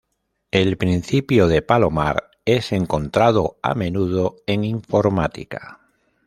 El principio del palomar es encontrado a menudo en informática.